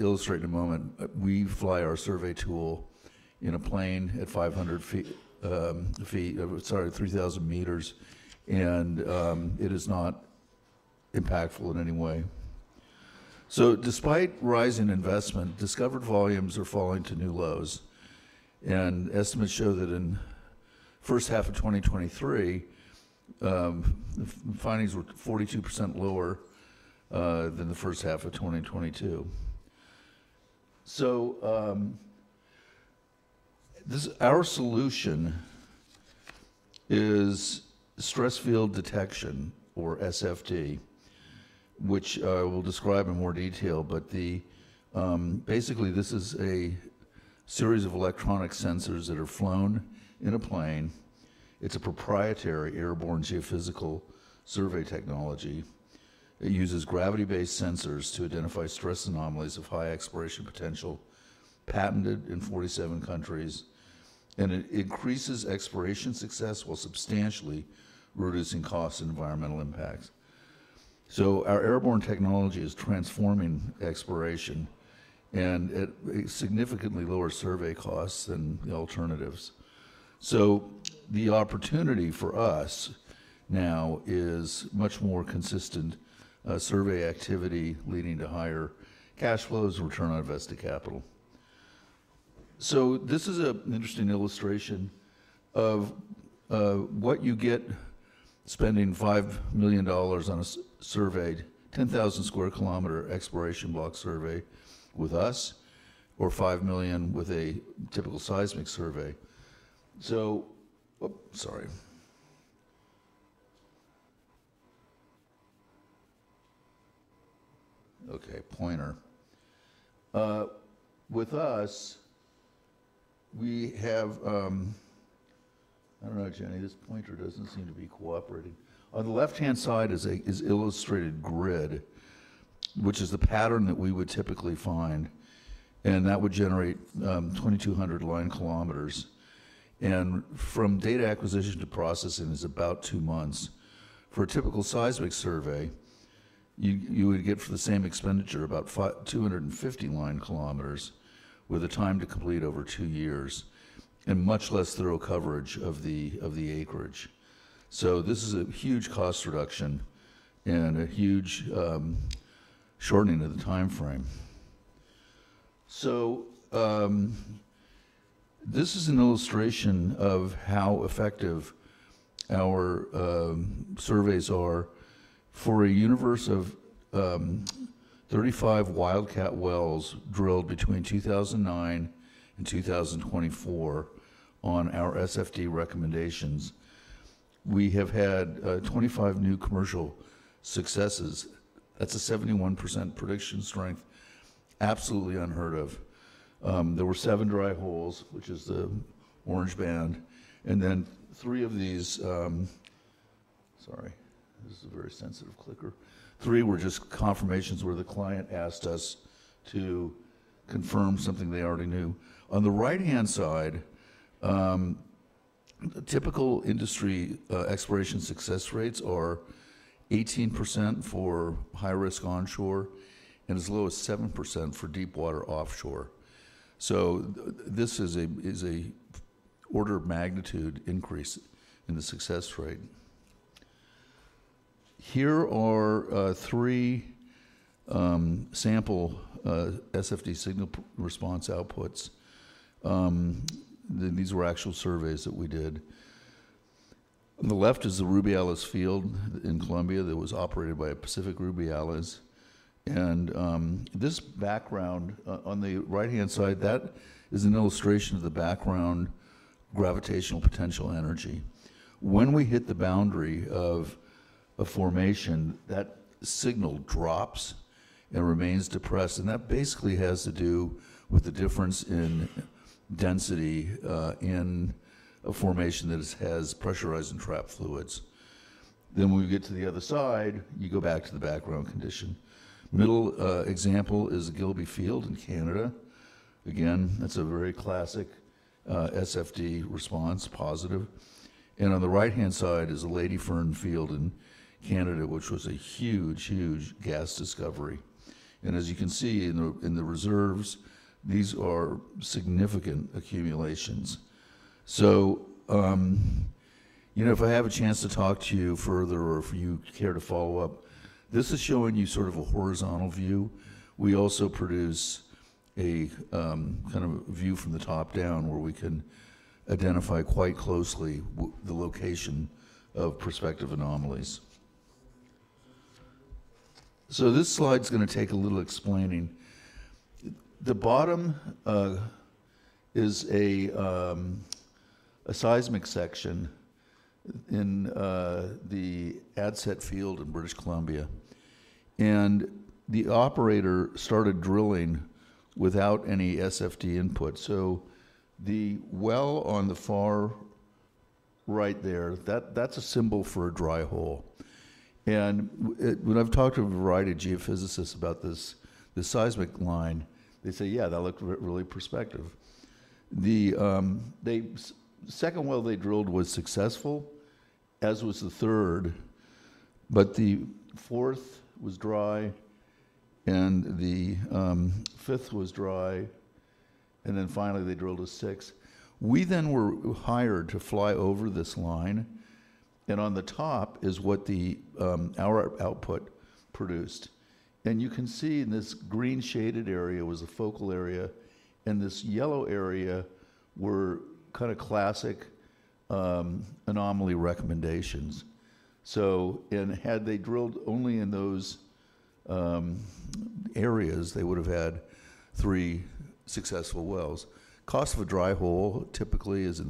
Illustrate in a moment. We fly our survey tool in a plane at 500 feet, sorry, 3,000 meters, and it is not impactful in any way. So despite rising investment, discovered volumes are falling to new lows, and estimates show that in the first half of 2023, the findings were 42% lower than the first half of 2022. So our solution is stress field detection, or SFD, which I will describe in more detail. But basically, this is a series of electronic sensors that are flown in a plane. It's a proprietary airborne geophysical survey technology. It uses gravity-based sensors to identify stress anomalies of high exploration potential, patented in 47 countries, and it increases exploration success while substantially reducing costs and environmental impacts. So our airborne technology is transforming exploration, and it significantly lowers survey costs and the alternatives. So the opportunity for us now is much more consistent survey activity leading to higher cash flows and return on invested capital. So this is an interesting illustration of what you get spending $5 million on a surveyed 10,000 sq km exploration block survey with us, or $5 million with a typical seismic survey. So. Oops, sorry. Okay, pointer. With us, we have. I don't know, Jenny, this pointer doesn't seem to be cooperating. On the left-hand side is illustrated grid, which is the pattern that we would typically find, and that would generate 2,200 line km. And from data acquisition to processing is about two months. For a typical seismic survey, you would get for the same expenditure about 250 line km with a time to complete over two years and much less thorough coverage of the acreage. This is a huge cost reduction and a huge shortening of the time frame. This is an illustration of how effective our surveys are for a universe of 35 wildcat wells drilled between 2009 and 2024 on our SFD recommendations. We have had 25 new commercial successes. That's a 71% prediction strength, absolutely unheard of. There were seven dry holes, which is the orange band, and then three of these (sorry, this is a very sensitive clicker) three were just confirmations where the client asked us to confirm something they already knew. On the right-hand side, typical industry exploration success rates are 18% for high-risk onshore and as low as 7% for deep-water offshore. This is an order of magnitude increase in the success rate. Here are three sample SFD signal response outputs. These were actual surveys that we did. On the left is the Rubiales field in Colombia that was operated by Pacific Rubiales. And this background on the right-hand side, that is an illustration of the background gravitational potential energy. When we hit the boundary of a formation, that signal drops and remains depressed, and that basically has to do with the difference in density in a formation that has pressurized and trapped fluids. Then when we get to the other side, you go back to the background condition. The middle example is a Gilby field in Canada. Again, that's a very classic SFD response, positive. And on the right-hand side is a Ladyfern field in Canada, which was a huge, huge gas discovery. And as you can see in the reserves, these are significant accumulations. So if I have a chance to talk to you further or if you care to follow up, this is showing you sort of a horizontal view. We also produce a kind of view from the top down where we can identify quite closely the location of prospective anomalies. So this slide's going to take a little explaining. The bottom is a seismic section in the Adsett field in British Columbia, and the operator started drilling without any SFD input. So the well on the far right there, that's a symbol for a dry hole. And when I've talked to a variety of geophysicists about this seismic line, they say, "Yeah, that looked really prospective." The second well they drilled was successful, as was the third, but the fourth was dry, and the fifth was dry, and then finally they drilled a sixth. We then were hired to fly over this line, and on the top is what our output produced. You can see in this green shaded area was a focal area, and this yellow area were kind of classic anomaly recommendations. Had they drilled only in those areas, they would have had three successful wells. The cost of a dry hole typically is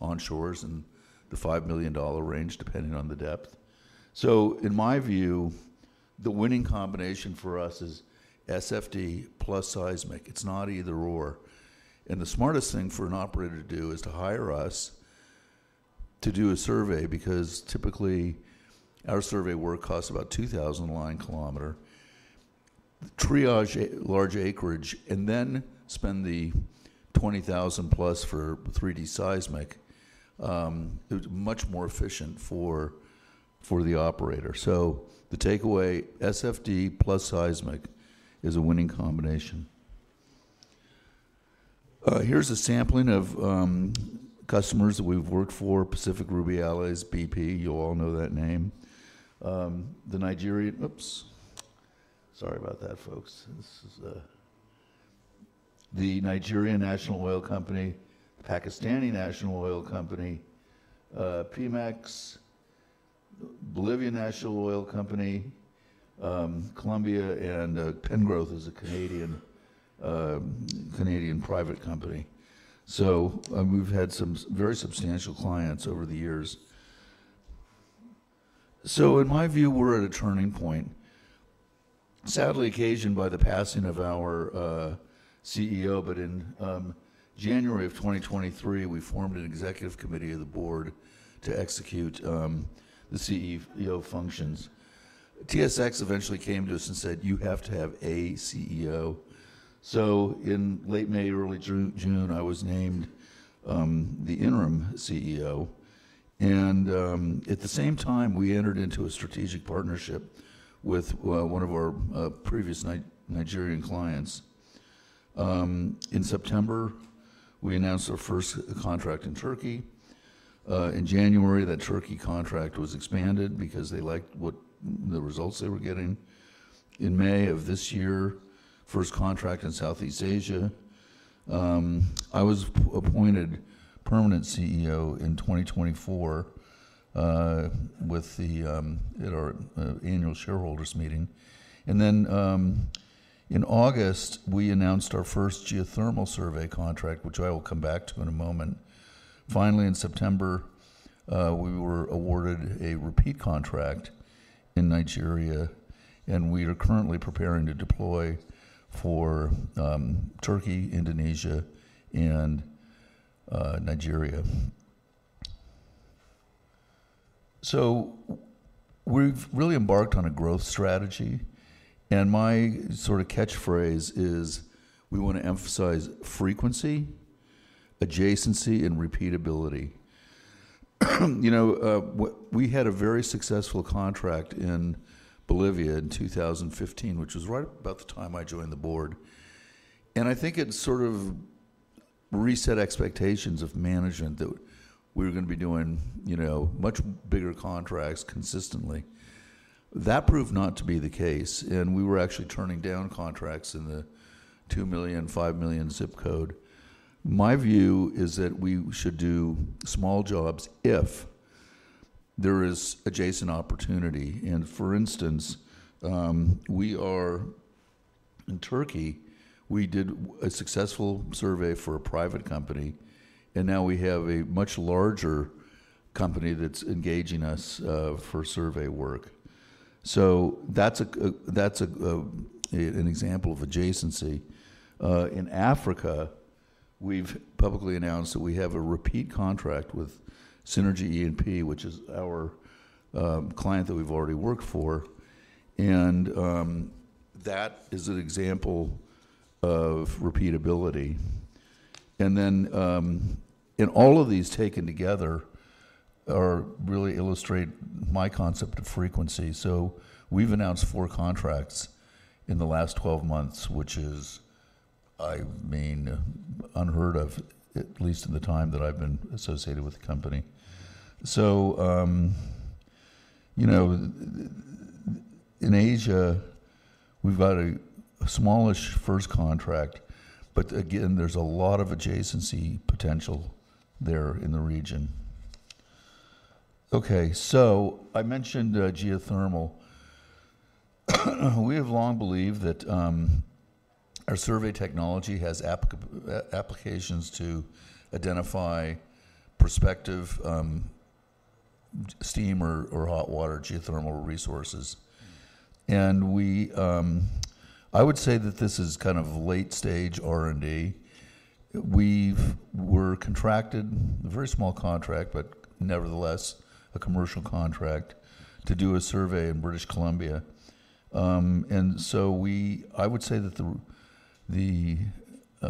offshore in the $5 million range, depending on the depth. In my view, the winning combination for us is SFD plus seismic. It's not either/or. The smartest thing for an operator to do is to hire us to do a survey because typically our survey work costs about $2,000 per line kilometer to triage large acreage and then spend the $20 million plus for 3D seismic. It was much more efficient for the operator. The takeaway, SFD plus seismic is a winning combination. Here's a sampling of customers that we've worked for: Pacific Rubiales, BP, you all know that name. The Nigerian. Oops, sorry about that, folks. This is the Nigerian National Oil Company, Pakistani National Oil Company, Pemex, Bolivian National Oil Company, Colombia, and Penn Growth is a Canadian private company. So we've had some very substantial clients over the years. So in my view, we're at a turning point. Sadly occasioned by the passing of our CEO, but in January of 2023, we formed an executive committee of the board to execute the CEO functions. TSX eventually came to us and said, "You have to have a CEO." So in late May, early June, I was named the interim CEO. And at the same time, we entered into a strategic partnership with one of our previous Nigerian clients. In September, we announced our first contract in Turkey. In January, that Turkey contract was expanded because they liked the results they were getting. In May of this year, first contract in Southeast Asia. I was appointed permanent CEO in 2024 with the annual shareholders meeting, and then in August, we announced our first geothermal survey contract, which I will come back to in a moment. Finally, in September, we were awarded a repeat contract in Nigeria, and we are currently preparing to deploy for Turkey, Indonesia, and Nigeria, so we've really embarked on a growth strategy, and my sort of catchphrase is we want to emphasize frequency, adjacency, and repeatability. We had a very successful contract in Bolivia in 2015, which was right about the time I joined the board, and I think it sort of reset expectations of management that we were going to be doing much bigger contracts consistently. That proved not to be the case, and we were actually turning down contracts in the 2 million, 5 million zip code. My view is that we should do small jobs if there is adjacent opportunity. For instance, in Turkey, we did a successful survey for a private company, and now we have a much larger company that's engaging us for survey work. So that's an example of adjacency. In Africa, we've publicly announced that we have a repeat contract with Sinergia E&P, which is our client that we've already worked for. And that is an example of repeatability. And then all of these taken together really illustrate my concept of frequency. So we've announced four contracts in the last 12 months, which is, I mean, unheard of, at least in the time that I've been associated with the company. So in Asia, we've got a smallish first contract, but again, there's a lot of adjacency potential there in the region. Okay, so I mentioned geothermal. We have long believed that our survey technology has applications to identify prospective steam or hot water geothermal resources. And I would say that this is kind of late-stage R&D. We were contracted a very small contract, but nevertheless a commercial contract to do a survey in British Columbia. And so I would say that the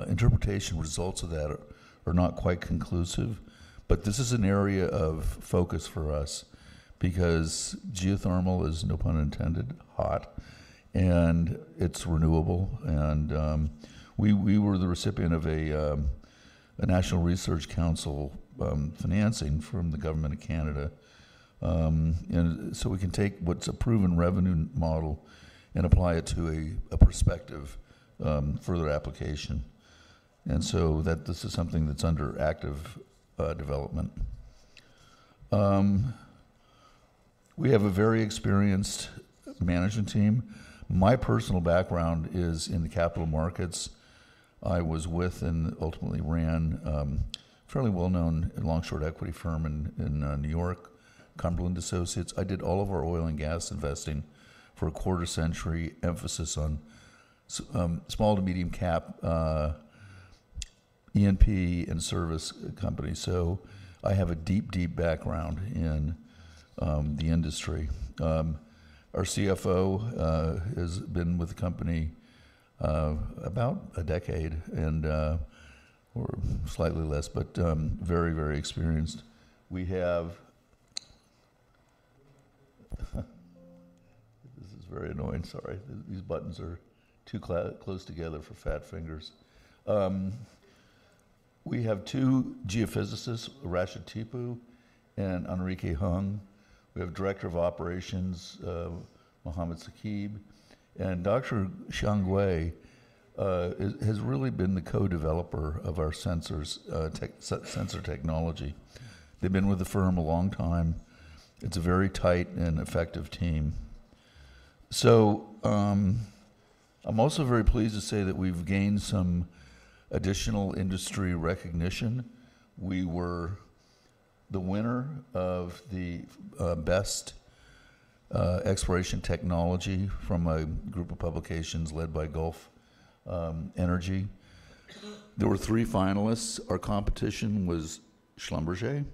interpretation results of that are not quite conclusive, but this is an area of focus for us because geothermal is, no pun intended, hot, and it's renewable. And we were the recipient of a National Research Council financing from the Government of Canada. And so we can take what's a proven revenue model and apply it to a prospective further application. And so this is something that's under active development. We have a very experienced management team. My personal background is in the capital markets. I was with and ultimately ran a fairly well-known long-short equity firm in New York, Cumberland Associates. I did all of our oil and gas investing for a quarter-century emphasis on small to medium-cap E&P and service companies. So I have a deep, deep background in the industry. Our CFO has been with the company about a decade or slightly less, but very, very experienced. We have—this is very annoying, sorry. These buttons are too close together for fat fingers. We have two geophysicists, Rashid Tibu and Enrique Hung. We have Director of Operations, Mohammad Saqib, and Dr. Xiang Wei has really been the co-developer of our sensor technology. They've been with the firm a long time. It's a very tight and effective team. So I'm also very pleased to say that we've gained some additional industry recognition. We were the winner of the best exploration technology from a group of publications led by Gulf Energy. There were three finalists. Our competition was Schlumberger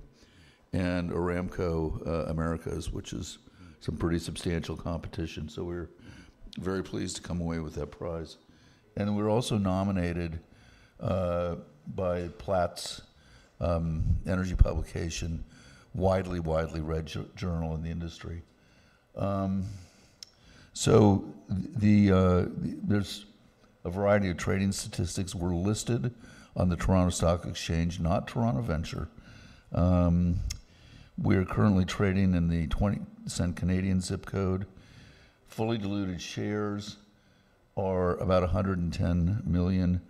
and Aramco Americas, which is some pretty substantial competition. So we're very pleased to come away with that prize. And we're also nominated by Platts Energy Publication, widely, widely read journal in the industry. So there's a variety of trading statistics. We're listed on the Toronto Stock Exchange, not Toronto Venture. We are currently trading in the 0.20 zip code. Fully diluted shares are about 110 million.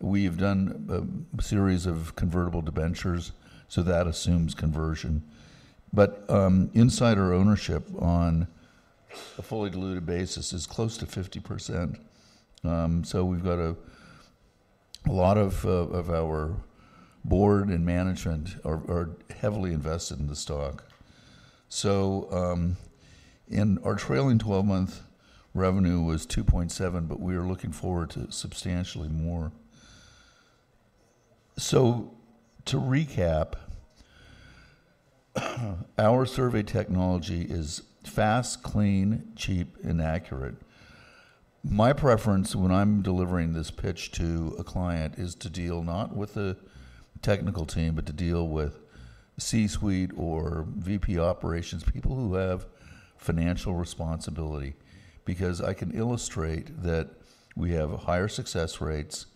We have done a series of convertible debentures, so that assumes conversion. But insider ownership on a fully diluted basis is close to 50%. So we've got a lot of our board and management are heavily invested in the stock. Our trailing 12-month revenue was 2.7 million, but we are looking forward to substantially more. To recap, our survey technology is fast, clean, cheap, and accurate. My preference when I'm delivering this pitch to a client is to deal not with the technical team, but to deal with C-suite or VP operations, people who have financial responsibility, because I can illustrate that we have higher success rates.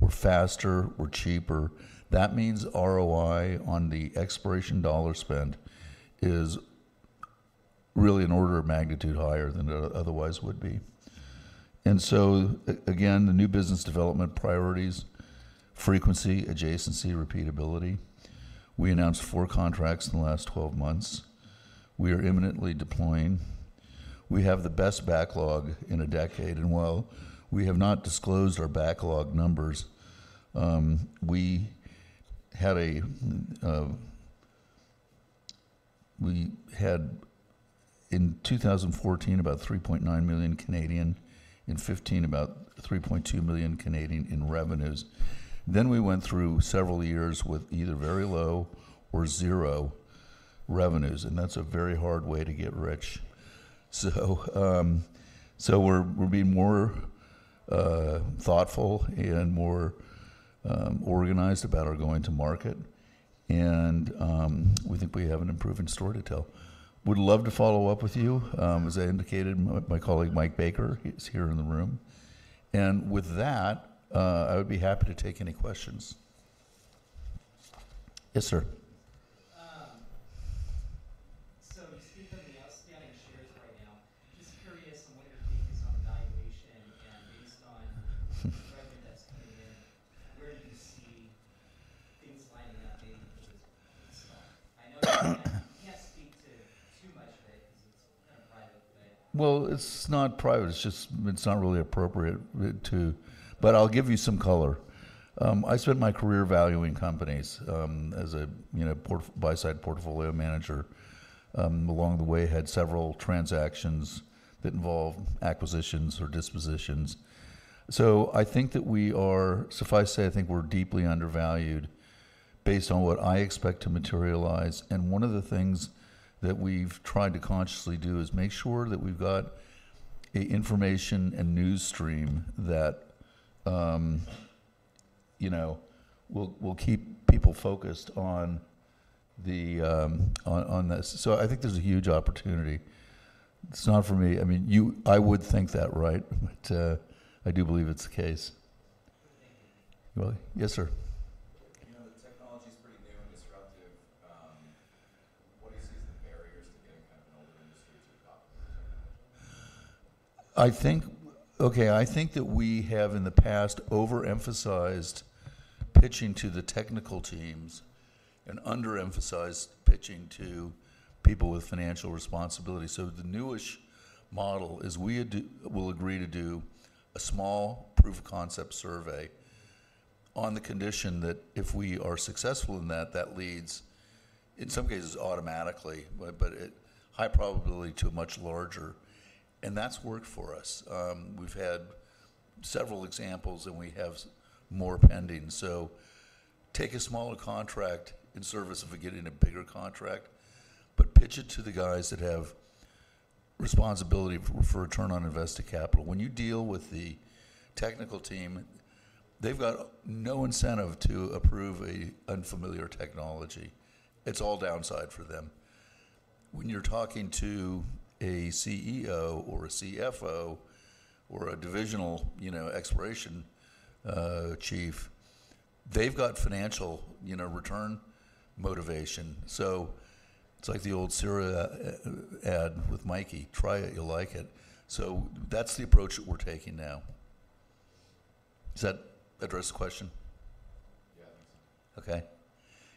We're faster. We're cheaper. That means ROI on the exploration dollar spend is really an order of magnitude higher than it otherwise would be. And so again, the new business development priorities: frequency, adjacency, repeatability. We announced four contracts in the last 12 months. We are imminently deploying. We have the best backlog in a decade. And while we have not disclosed our backlog numbers, we had in 2014 about 3.9 million, in 2015 about 3.2 million in revenues. We went through several years with either very low or zero revenues, and that's a very hard way to get rich. So we're being more thoughtful and more organized about our going to market, and we think we have an improving story to tell. Would love to follow up with you. As I indicated, my colleague Mike Baker is here in the room. And with that, I would be happy to take any questions. Yes, sir. So, you speak of the outstanding shares right now. Just curious on what your take is on valuation and based on the revenue that's coming in, where do you see things lining up maybe for this stock? I know you can't speak to too much of it because it's kind of private, but. It's not private. It's just not really appropriate to, but I'll give you some color. I spent my career valuing companies as a buy-side portfolio manager. Along the way, I had several transactions that involved acquisitions or dispositions. So I think that we are. Suffice to say, I think we're deeply undervalued based on what I expect to materialize. And one of the things that we've tried to consciously do is make sure that we've got an information and news stream that will keep people focused on this. So I think there's a huge opportunity. It's not for me. I mean, I would think that, right? But I do believe it's the case. What do you think? Yes, sir. The technology is pretty new and disruptive. What do you see as the barriers to getting kind of an older industry to adopting this technology? Okay, I think that we have in the past overemphasized pitching to the technical teams and underemphasized pitching to people with financial responsibility. So the newish model is we will agree to do a small proof of concept survey on the condition that if we are successful in that, that leads in some cases automatically, but high probability to a much larger. And that's worked for us. We've had several examples, and we have more pending. So take a smaller contract in service of getting a bigger contract, but pitch it to the guys that have responsibility for return on invested capital. When you deal with the technical team, they've got no incentive to approve an unfamiliar technology. It's all downside for them. When you're talking to a CEO or a CFO or a divisional exploration chief, they've got financial return motivation. So it's like the old cereal ad with Mikey. Try it. You'll like it. So that's the approach that we're taking now. Does that address the question? Yeah, I think so. Okay.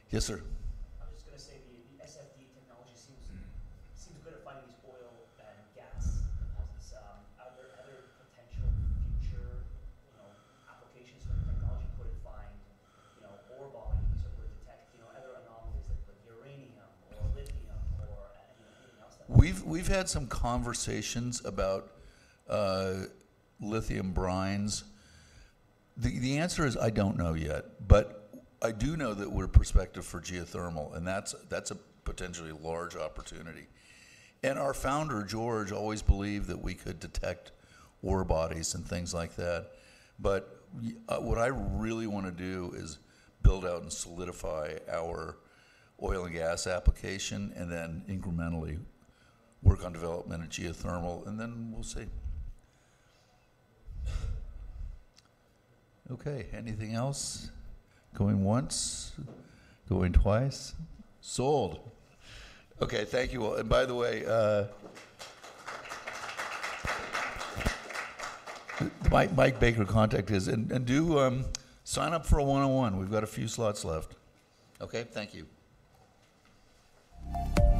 Yes, sir. I was just going to say the SFD technology seems good at finding these oil and gas deposits. Are there other potential future applications for the technology? Could it find ore bodies or could it detect other anomalies like uranium or lithium or anything else that? We've had some conversations about lithium brines. The answer is I don't know yet, but I do know that we're prospective for geothermal, and that's a potentially large opportunity. And our founder, George, always believed that we could detect ore bodies and things like that. But what I really want to do is build out and solidify our oil and gas application and then incrementally work on development of geothermal, and then we'll see. Okay, anything else? Going once, going twice. Sold. Okay, thank you all. And by the way, Mike Baker contacted us. And do sign up for a one-on-one. We've got a few slots left. Okay, thank you.